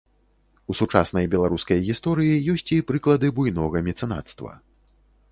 У сучаснай беларускай гісторыі ёсць і прыклады буйнога мецэнацтва.